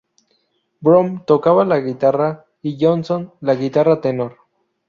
Brown tocaba la guitarra y Johnson la guitarra tenor.